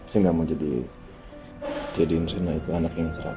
saya gak mau jadiin rena itu anak yang serakah